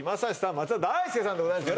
松田大介さんでございます